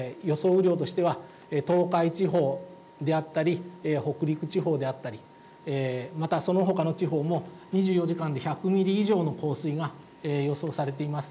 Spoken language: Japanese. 雨量としては、東海地方であったり、北陸地方であったり、また、そのほかの地方も２４時間で１００ミリ以上の降水が予想されています。